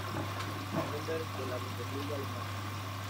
Núremberg de la Bundesliga alemana.